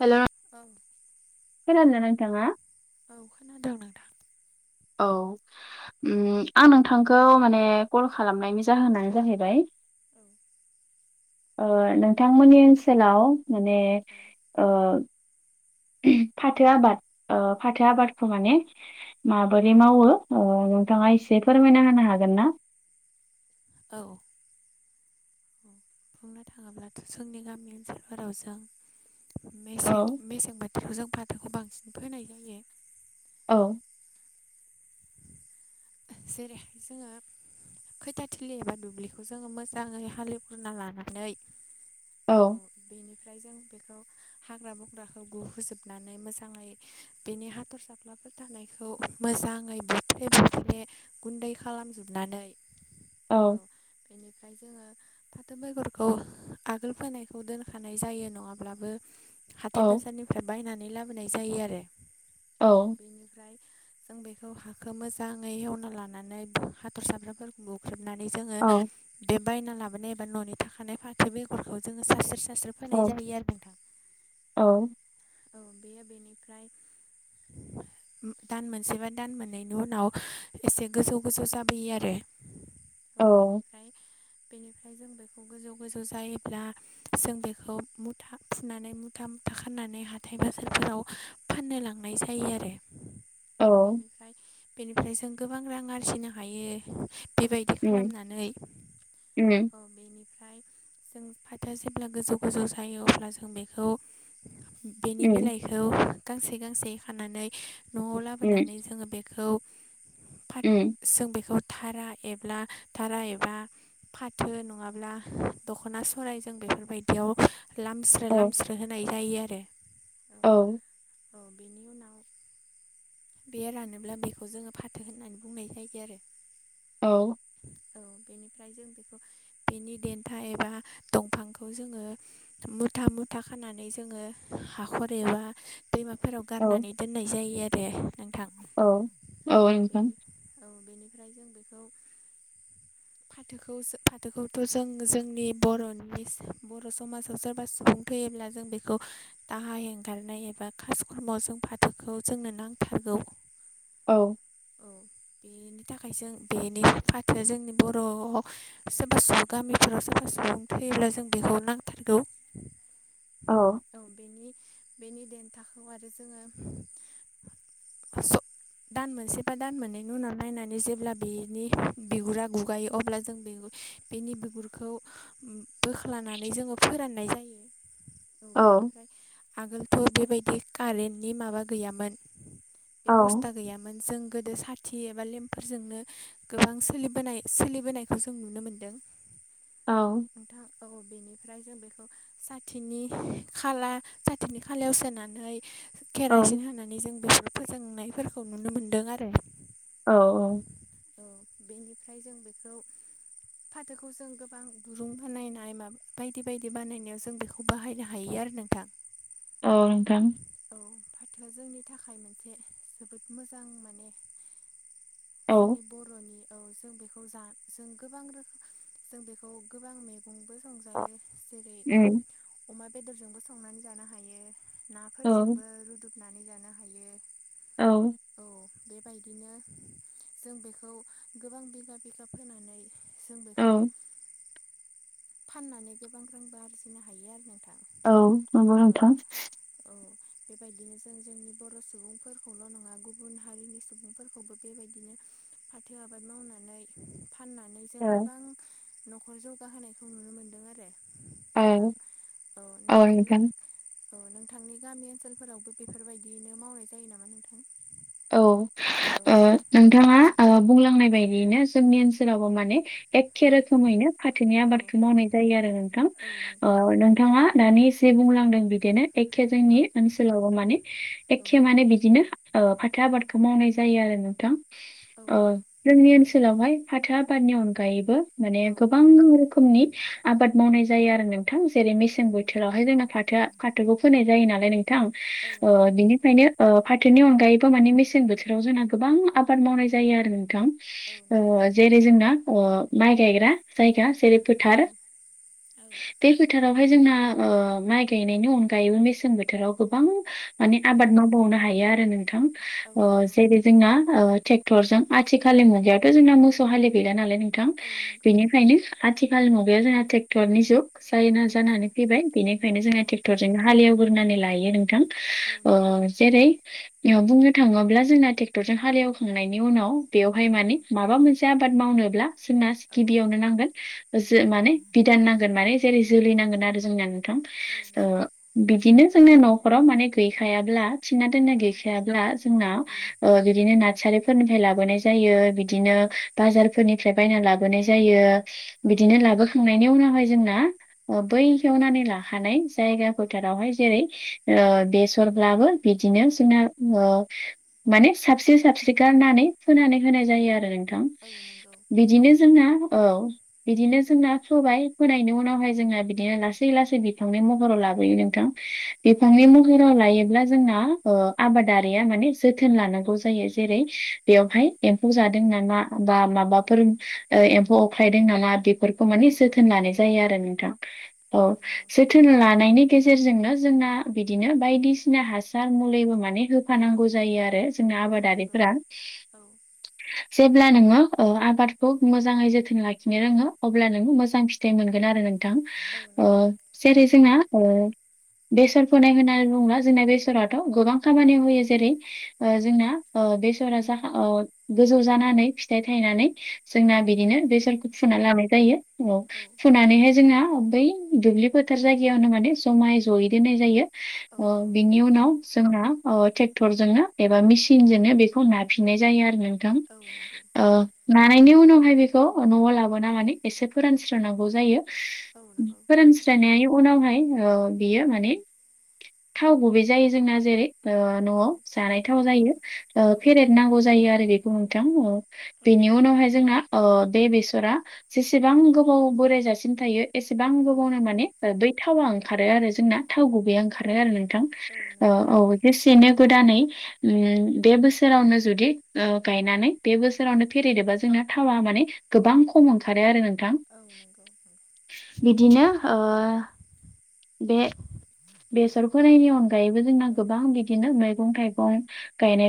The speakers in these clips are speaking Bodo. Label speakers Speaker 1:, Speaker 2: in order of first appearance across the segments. Speaker 1: हेल'।
Speaker 2: [unintelligible]
Speaker 1: खोनादोंना नोंथाङा?
Speaker 2: औ खोनादों नोंथां।
Speaker 1: औ उम आं नोंथांखौ माने कल खालामनायनि जाहोनानो जाहैबाय।
Speaker 2: औ
Speaker 1: ओ नोंथांमोननि ओनसोलाव माने
Speaker 2: औ
Speaker 1: ओ फाथो आबाद ओ फाथो आबादखौ माने माबोरै मावो? ओ नोंथाङा एसे फोरमायना हागोन ना?
Speaker 2: औ। बुंनो थाङोब्लाथ' जोंनि गामि ओनसोल जों मेसें
Speaker 1: औ
Speaker 2: -मेसें बोथोरखौ जों फाथोखौ बांसिन फोनाय जायो।
Speaker 1: औ।
Speaker 2: जेरैहाय जोङो [unintelligible] थिलि एबा दुब्लिखौ जोङो मोजाङै हालेवग्रना लानानै
Speaker 1: औ।
Speaker 2: ओमफ्राय जों बेखौ हाग्रा बंग्राखौ गुहोजोबनानै मोजाङै बेनि हाथरसाफ्लाब [unintelligible] बेफोर थानायखौ मोजाङै बुफ्ले बुफ्ले गुन्दै खालामजुबनानै
Speaker 1: औ
Speaker 2: बेनिफ्राय जोङो फाथो बेगरखौ आगोल फोनायखौ दोनखानाय जायो नङाब्लाबो
Speaker 1: औ
Speaker 2: हाथाय बाजारनिफ्राय बायनानै लाबोनाय जायो आरो औ बेनिफ्राय जों बेखौ हाखो मोजाङै हेवना लानानै हाथरसाब्राफोरखौ बुख्रेब नानै जोङो
Speaker 1: औ
Speaker 2: बे बायना लाबोनाय एबा न'नि थाखानाय फाथो बेगरखौ जो सा सेरस [unintelligible] सास्रो फोनाय
Speaker 1: औ
Speaker 2: जायो आरो नोंथां
Speaker 1: औ
Speaker 2: औ बेयो बेनिफ्राय [unintelligible] दान मोनसे बा दान मोननैनि उनाव एसे गोजौ गोजौ जाबोयो आरो औ बेनिफ्राय बेनिफ्राय जों बेखौ गोजौ गोजौ जायोब्ला जों बेखौ मुथा फुनानै मुथा [unintelligible] खानानै हाथाय बाजारफोराव फाननो लांनाय जायो आरो।
Speaker 1: औ
Speaker 2: बेनिफ्राय बेनिफ्राय जों गोबां रां आरजिनो हायो। बेबायदि
Speaker 1: उम
Speaker 2: खालामनानै
Speaker 1: उम
Speaker 2: औ बेनि ओमफ्राय जों फाथोया जेब्ला गोजौ गोजौ जायो अब्ला जों बेखौ बेनि
Speaker 1: उम
Speaker 2: बिलाइखौ गांसे गांसे खानानै न'आव
Speaker 1: उम
Speaker 2: लाबोनानै जोङो बे खौ फाथ
Speaker 1: उम
Speaker 2: जों बेखौ धारा एब्ला धारा एबा फाथो नङाब्ला दख'ना सरायजों बे बेफोरबायदियाव लामस्रो
Speaker 1: औ
Speaker 2: लामस्रो होनाय जायो आरो।
Speaker 1: औ
Speaker 2: औ बेनि उनाव बे रानोब्ला बेखौ जोङो फाथो होननानै बुंनाय जायो आरो
Speaker 1: औ
Speaker 2: ओमफ्राय जों बेखौ बेनि देन्था एबा दंफांखौ जोङो मुथा मुथा खा [unintelligible] नानै जोङो हाखर एबा दैमाफोराव
Speaker 1: औ
Speaker 2: गारनानै दोननाय जायो आरो नोंथां
Speaker 1: औ औ नोंथां
Speaker 2: बेनि औ बेनिफ्राय जों बेखौ
Speaker 1: [inaudible]
Speaker 2: फाथोखौ जो फाथोखौथ' जों जोंनि बर'निज बर' समाजाव सोरबा सुबुं थैयो अब्ला जों बेखौ दाहा हेंगारनाय एबा खास खर्मआव जों फाथोखौ जोंनो नां फारगौ
Speaker 1: औ
Speaker 2: बेनि थाखाय जों बेनि फाथो जोंनि बर'आव सोरबा सुबुं गामिफोराव सोरबा सु सुबुं थैयोब्ला जों बेखौ नांथारगौ। औ बेनि बेनि देन्थाखौ आरो जोङो [unintelligible] स दान मोनसे बा दान मोननैनि उनाव नायनानै जेब्ला बेनि बिगुरा गुगायो अब्ला जों बे [unintelligible] बेनि बिगुरखौ उम बोख्लानानै जोङो फोराननाय जायो।
Speaker 1: [inaudible]
Speaker 2: औ बेनिफ्राय आगोलथ' बेबायदि कारेन्टनि माबा गैयामोन।
Speaker 1: औ
Speaker 2: बेबस्था गैयामोन जों गोदो साथि एबा लेम्पफोरजोंनो गोबां सोलिबोनाय सोलिबोनायखौ जों नुनो मोनदों।
Speaker 1: औ
Speaker 2: नोंथां औ बेनिफ्राय जों बेखौ साथिनि खाला साथिनि खालायाव सोनानै
Speaker 1: औ
Speaker 2: खेरासिन होनानै जों बेफोर फोजोंनायफोरखौ नुनो मोनदों आरो।
Speaker 1: औ- औ
Speaker 2: औ बेनिफ्राय जों बेखौ फाथोखौ जों गोबां दुरुं बाहनायनाय माब बायदि बायदि बानायनायाव जों बेखौ बाहायनो हायो आ [unintelligible] [unintelligible] नोंथां
Speaker 1: औ नोंथां
Speaker 2: औ फाथोआ जोंनि थाखाय मोनसे जोबोद मोजां माने
Speaker 1: औ
Speaker 2: जोंनि बर'नि औ जों बे खौ जा जों गोबां रो जों बेखौ गोबां मैगंबो संजायो जेरै
Speaker 1: उम
Speaker 2: अमा बेदरजोंबो संनानै जानो हायो।
Speaker 1: औ
Speaker 2: नाफोरजोंबो रुदुबनानै जानो हायो औ बेबाय दिनो जों बेखौ गोबां बिगा बिगा फोनानै जों
Speaker 1: औ
Speaker 2: बेखौ फाननानै गोबां रांबो आरजिनो हायो आरो नोंथां
Speaker 1: औ नंगौ
Speaker 2: औ
Speaker 1: नोंथां
Speaker 2: औ बेबायदिनो जों जोंनि बर' सुबुंफोरखौल' नङा गुबुन हारिनि सुबुंफोरखौबो बेबायदिनो फाथो आबाद मावना नै फाननानै जों
Speaker 1: औ
Speaker 2: गोबां न'खर जौगाहोनायखौ नुनो मोन्दों आरो।
Speaker 1: औ
Speaker 2: नोंथां
Speaker 1: औ नोंथां
Speaker 2: औ नोंथांनि गामि ओनसोलफोरावबो बेफोरबायदियैनो मावनाय जायो नामा नोंथां?
Speaker 1: औ
Speaker 2: औ
Speaker 1: ओ नोंथाङा ओ बुंलांनाय
Speaker 2: औ
Speaker 1: बायदियैनो जोंनि ओनसोलावबो माने एखे
Speaker 2: औ
Speaker 1: रोखोमैनो फाथोनि
Speaker 2: औ
Speaker 1: आबादखौ मावनाय जायो आरो नोंथां
Speaker 2: औ नंगौ
Speaker 1: ओ नोंथाङा दानि जे बुंलांदों बिदिनो एखे
Speaker 2: औ
Speaker 1: जोंनि ओनसोलावबो माने
Speaker 2: औ
Speaker 1: एखे माने बिदिनो ओ फा थो आबादखौ मावनाय जायो आरो नोंथां
Speaker 2: औ
Speaker 1: ओ
Speaker 2: नंगौ
Speaker 1: जोंनि ओनस सोलावहाय फाथो आबादनि अनगायैबो माने
Speaker 2: औ
Speaker 1: गोबां रो खोमनि आबाद मावनाय जायो आरो नों थां जेरै-
Speaker 2: औ
Speaker 1: मेसें
Speaker 2: नंगौ
Speaker 1: बोथोरावहाय जोंना फाथोआ फाथोखौ फोनाय जायो नालाय नों थां
Speaker 2: औ
Speaker 1: ओ
Speaker 2: नंगौ
Speaker 1: बिनिफ्रायनो ओ फाथोनि अनगायै बो माने मेसें बोथोराव जोंना गोबां आबाद मावनाय जायो आरो नोंथां
Speaker 2: औ नंगौ
Speaker 1: ओ जेरै- जोंना ओ माइ गायग्रा जायगा जेरै-
Speaker 2: औ
Speaker 1: फोथार बे फोथार फोथारावहाय जोंहा ओ माइ गायनायनि अनगायैबो मेसें बोथोराव गोबां
Speaker 2: औ
Speaker 1: माने आबाद मावबावनो हायो आरो नोंथां
Speaker 2: औ
Speaker 1: ओ
Speaker 2: नंगौ
Speaker 1: जेरै- जोंहा ओ टेक्टरजों आथिखालनि मुगायावथ' जोंना मोसौ हालि गैला नालाय नोंथां
Speaker 2: औ नंगौ
Speaker 1: बेनिफ्रायनो आथिखाल मुगाया जोंहा टेक्टरनि जुग जायोना
Speaker 2: औ
Speaker 1: जानानै फैबाय बेनिखायनो जोंहा
Speaker 2: औ
Speaker 1: टेक्टरजोंनो हाल एवग्रोनानै लायो नोंथां।
Speaker 2: औ
Speaker 1: ओ
Speaker 2: नंगौ
Speaker 1: जेरै- इयाव बुंनो थाङोब्ला जोंना टेक्टरजों हालेवखांनायनि उनाव
Speaker 2: औ
Speaker 1: बेवहाय माने
Speaker 2: नंगौ
Speaker 1: माबा मोनसे आबाद मावनोब्ला जोंना
Speaker 2: औ
Speaker 1: गिबियावनो नांगोन जो माने बिधान नांगोन माने जेरै- जोलै
Speaker 2: औ
Speaker 1: नांगोन आरो जोंनिया नोंथां
Speaker 2: औ
Speaker 1: ओ
Speaker 2: नंगौ
Speaker 1: बिदिनो जोंनि न'खराव माने गैखायाब्ला थिना दोनना
Speaker 2: औ
Speaker 1: गैखायाब्ला [unintelligible] ओ बिदिनो नारसारिफोरनि लाबोनाय जायो बिदिनो
Speaker 2: औ
Speaker 1: बाजारफोरनि फ्राय बायना लाबोनाय जायो
Speaker 2: औ
Speaker 1: बिदिनो
Speaker 2: नंगौ
Speaker 1: लाबोखांनायनि उनावहाय जोंना ओ
Speaker 2: औ
Speaker 1: बै हेवनानै लाखानाय जायगा फोथारावहाय जेरै- ओ
Speaker 2: औ
Speaker 1: बेसरब्लाबो बिदिनो जोंना ओ माने साबस्रि साबस्रि गारनानै फोनानै होनाय जायो आरो नों थां
Speaker 2: औ नंगौ औ नंगौ
Speaker 1: बिदिनो जोंना औ बिदिनो जोंना फोबाय फोनायनि उनावहाय जोङो बिदिनो लासै लासै बिफांनि महराव लाबोयो नोंथां
Speaker 2: औ नंगौ औ नंगौ औ
Speaker 1: बिफांनि
Speaker 2: नंगौ औ
Speaker 1: महराव लायोब्ला जोंना ओ आबादारि आ माने जोथोन लानांगौ जायो जेरै-
Speaker 2: औ
Speaker 1: बेयावहाय
Speaker 2: औ
Speaker 1: एम्फौ जादों नामा बा
Speaker 2: औ
Speaker 1: माबाफोर
Speaker 2: औ
Speaker 1: एम्फौ अख्लायदों नामा बे फोरखौ माने
Speaker 2: औ नंगौ औ नंगौ औ नंगौ औ नंगौ औ
Speaker 1: जोथोन
Speaker 2: नंगौ औ
Speaker 1: लानाय जायो आरो नोंथां। औ जोथोन लानायनि गेजेर जोंनो जोंना बिदिनो बायदिसिना हासार मुलिबो माने हो फानांगौ जायो आरो जों आबादारिफोरा जेब्ला नोङो ओ आबादखौ मोजाङै जोथोन लाखिनो रोङो अब्ला नों मोजां फिथाइ मोनगोन आरो नों थां ओ जेरै- जोंना ओ बेसर फोनाय होननानै बुङोब्ला जोंना बेसराथ' गोबां खामानियाव होयो। [unintelligible] ओ जोंना ओ बेसरा जा ओ गोजौ जानानै फिथाइ थायनानै जोंना बिदिनो बेसरखौ फुना लानाय जायो औ फुनानैहाय जोंना बै दुब्लि फोथार जायगायावनो माने जमायै जयै दोननाय जायो। ओटेख बिनि उनाव जोंना ओ ट्रेक्टरजोंनो एबा मेचिनजोंनो बेखौ नाफिननाय जायो आरो नोंथां ओ नानायनि उनावहाय बेखौ न'आव लाबोनानै एसे फोरानस्रोनांगौ जायो। फोरानस्रोनायनि उनावहाय ओ बेयो माने थाव गुबै जायो जोंना जेरै ओ न'आव जानायथाव जायो ओ फेरेद नांगौ जायो आरो बेखौ नोंथां। ओ बेनि उनावहाय जोंना ओ बे बेसरा जेसेबां गोबाव बोराय जासिम थायो एसेबां गोबावनो माने बै थावा ओंखारो आरो जोंना थाव गुबैया ओंखारो आरो नोंथां। ओ औ गोदानै बे बोसोरावनो जुदि गायनानै बे बोसोरावनो फेरेदोबा जोंना थावा माने गोबां खम ओंखारो आरो नों थां
Speaker 2: नंगौ
Speaker 1: बिदिनो ओ बे बेसर फोनायनि अनगायैबो जोंना गोबां बिदिनो मैगं थाइगं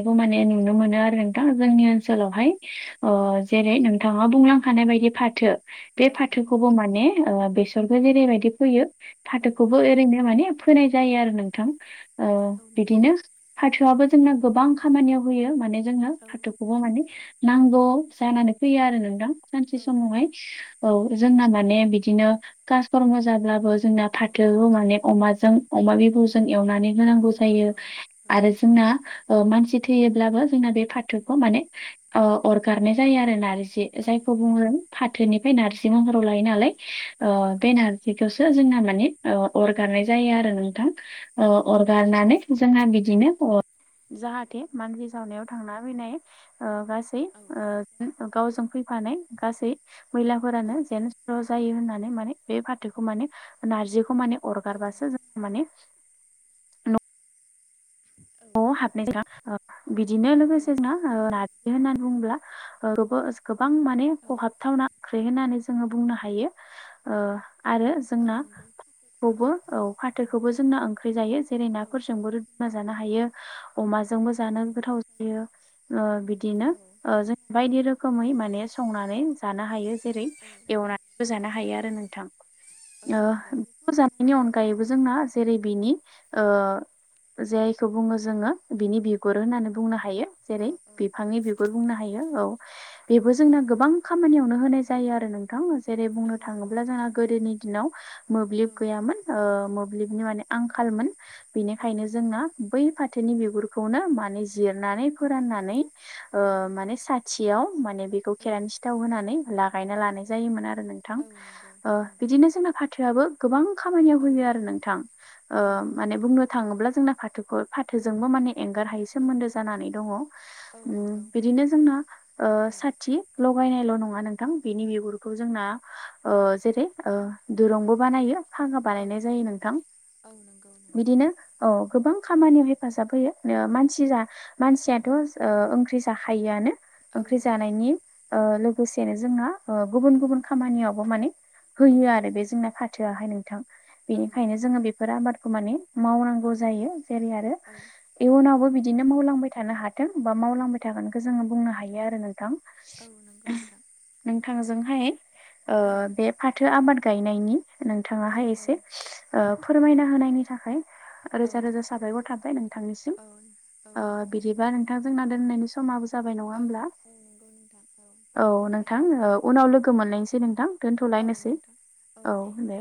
Speaker 2: औ औ
Speaker 1: माने नुनो मोनो आरो नों जोंनि
Speaker 2: औ नंगौ
Speaker 1: ओनसोलावहाय। ओ जेरै नोंथाङा बुंलांखानाय बायदि फाथो बे
Speaker 2: औ नंगौ
Speaker 1: फाथोखौबो माने ओ बेसरखौ जेरैबायाददि फैयो
Speaker 2: औ
Speaker 1: फाथोखौबो ओरैनो माने फोनाय जायो आरो नोंथां। ओ
Speaker 2: औ नंगौ
Speaker 1: बिदिनो फाथोआबो जोंना गोबां खामानियाव होयो माने जोंनो
Speaker 2: औ
Speaker 1: फाथौखौबो माने नांगौ जानानै फैयो आरो नोंथां, सानसे
Speaker 2: औ नंगौ
Speaker 1: समावहाय औ जोंना माने बिदि बिदिनो कासकर्म जाब्लाबो जोंना
Speaker 2: औ
Speaker 1: फाथोखौ माने अमाजों अमा बिबुरजों एवनानै होनांगौ
Speaker 2: औ
Speaker 1: जायो आरो जों ओ मानसि थैयोब्लाबो जोंना बे फाथोखौ माने अरगारनाय जायो आरो
Speaker 2: औ
Speaker 1: जायखौ बुङो फाथोनिफ्राय नारजि महराव लायो नालाय
Speaker 2: औ नंगौ
Speaker 1: बे नारजिखौ जोंना माने ओ अरगारनाय जायो आरो नोंथां। ओ
Speaker 2: औ नंगौ
Speaker 1: अरगारनानै जोंना बि जाहाथे मानसि सावनायाव थांना फैनाय ओ गासै
Speaker 2: औ
Speaker 1: गावजों फैफानाय गासै मैलाफोरानो जेन स्र' जायो होननानै माने बे फाथोखौ माने नारजिखौ माने
Speaker 2: औ
Speaker 1: अरगारबासो जों माने न' न'आव हाबनायनि सिगां। ओ बिदिनो लोगोसे जोंना नारजि होननानै बुंङोब्ला ओ गोबां माने खहाबथावना ओंख्रि होनानै जोङो बुंनो हायो। ओ आरो
Speaker 2: औ नंगौ औ नंगौ औ नंगौ औ नंगौ औ अ औ
Speaker 1: जोंना
Speaker 2: नंगौ
Speaker 1: खौबो औ फाथोखौबो जोंना ओंख्रि जायो जेरै
Speaker 2: औ
Speaker 1: नाफोरजोंबो रुना जानो हायो, अमाजोंबो जानो गोथाव जायो ओ बिदिनो जों बायदि रोखोमै माने संनानै जानो हायो। जेरै एवनानैबो जानो हायो आरो नोंथां। ओ बेखौ जानायनि अनगायैबो जोंना जेरै बिनि जायखौ बुङो जोङो बिनि बिगुर होननानै बुंनो हायो जेरै बिफांनि
Speaker 2: औ
Speaker 1: बिगुर बुंनो हायो औ बेबो जोंना गोबां खामानियावनो होनाय जायो आरो नोंथां। जेरै बुंनो
Speaker 2: नंगौ
Speaker 1: थाङोब्ला जोंहा गोदोनि दिनाव
Speaker 2: औ
Speaker 1: मोब्लिब गैयामोन ओ मोब्लिबनि माने आंखालमोन बेनिखायनो जोंना बै फाथोनि बिगुरखौनो माने जिरनानै फोराननानै ओ माने साथियाव माने बेखौ
Speaker 2: औ
Speaker 1: खेरानसि थाव होनानै लागायना
Speaker 2: औ
Speaker 1: लानाय जायोमोन आरो नोंथां
Speaker 2: औ नंगौ
Speaker 1: ओ
Speaker 2: नंगौ
Speaker 1: बिदिनो जोंना फाथोआबो गोबां खामानियाव
Speaker 2: औ
Speaker 1: होयो आरो नोंथां ओ
Speaker 2: औ नंगौ
Speaker 1: माने
Speaker 2: नोंथां
Speaker 1: बुंनो थाङोब्ला जोंना फाथो फाथोजोंबो माने एंगारहायै
Speaker 2: औ
Speaker 1: सोमोन्दो जानानै दङ
Speaker 2: औ
Speaker 1: ओम
Speaker 2: नंगौ
Speaker 1: बिदिनो जोंना ओ
Speaker 2: औ
Speaker 1: साथि लगायनायल' नङा नोंथां बेनि बिगुरखौ जोंना ओ जेरै ओ
Speaker 2: औ
Speaker 1: दुरुंबो बानायो भागा
Speaker 2: औ
Speaker 1: बानायनाय जायो नोंथां
Speaker 2: औ नंगौ नंगौ
Speaker 1: बिदिनो औ गोबां खामानियाव हेफाजाब होयो मानसि जा मानसियाथ' ओ ओंख्रि जाखायोआनो
Speaker 2: औ
Speaker 1: ओंख्रि
Speaker 2: नंगौ
Speaker 1: जानायनि ओ लोगोसेनो जोंहा ओ गुबुन
Speaker 2: औ
Speaker 1: गुबुन खामानियावबो माने
Speaker 2: औ
Speaker 1: होयो आरो बे जोंना फाथोआहाय नोंथां
Speaker 2: औ
Speaker 1: बेनिखायनो
Speaker 2: नंगौ
Speaker 1: जोङो
Speaker 2: नोंथां
Speaker 1: बेफोर आबादखौ माने मावनांगौ
Speaker 2: औ
Speaker 1: जायो जेरै आरो
Speaker 2: औ
Speaker 1: इयुनावबो बिदि बिदिनो मावलांबाय थानो हाथों बा मावलांबाय थागोनखौ जोङो बुंनो हायो आरो नोंथां
Speaker 2: औ नंगौ नोंथां औ
Speaker 1: नोंथांजोंहाय
Speaker 2: औ
Speaker 1: बे फाथो आबाद गायनायनि
Speaker 2: औ
Speaker 1: नोंथाङाहाय
Speaker 2: औ
Speaker 1: एसे ओ फोरमायना होनायनि थाखाय रोजा रोजा थाबाय साबायखर नोंथांनि सिम ओ बिदिबा नोंथां जोंना दोननाय नि समाबो जाबाय नङा
Speaker 2: औ
Speaker 1: होमब्ला
Speaker 2: औ नंगौ नोंथां
Speaker 1: औ नोंथां उनाव लोगो मोनलायनोसै नोंथां दोनथ'लायनोसै औ दे